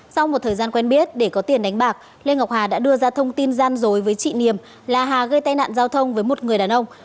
sau một thời gian quen biết để có tiền đánh bạc lê ngọc hà đã đưa ra thông tin gian dối với chị niềm là hà gây tai nạn giao thông với một người đàn ông